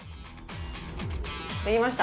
できました。